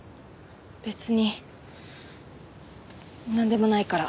別になんでもないから。